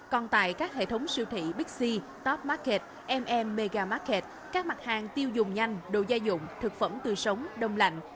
còn tại các hệ thống siêu thị big c top market mm mega market các mặt hàng tiêu dùng nhanh đồ gia dụng thực phẩm tư sống đông lạnh